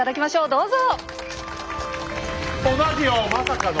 どうぞ。